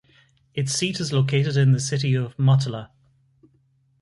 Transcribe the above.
Its seat is located in the city of Motala.